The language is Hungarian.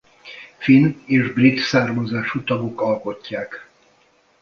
Finn és brit származású tagok alkotják.